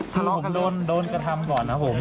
ถ้าผมโดนกระทำก่อนครับผม